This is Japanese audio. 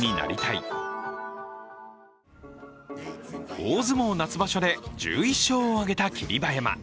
大相撲夏場所で１１勝を挙げた霧馬山。